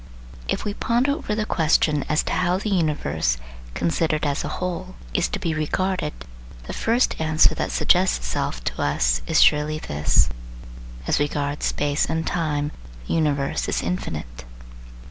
If we ponder over the question as to how the universe, considered as a whole, is to be regarded, the first answer that suggests itself to us is surely this: As regards space (and time) the universe is infinite.